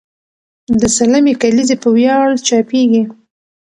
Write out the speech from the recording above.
د سلمې کلیزې په ویاړ چاپېږي.